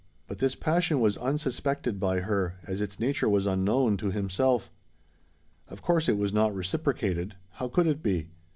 But this passion was unsuspected by her, as its nature was unknown to himself. Of course it was not reciprocated:—how could it be?